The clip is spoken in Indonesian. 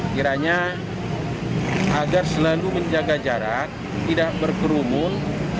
kiranya agar selalu menjaga jarak tidak berkerumun